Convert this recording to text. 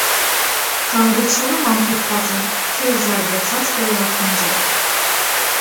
Հանգույցներում ամփոփված են թերզարգացած տերևափնջերը։